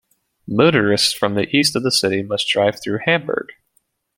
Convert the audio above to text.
Motorists from the east of the city must drive through Hamburg.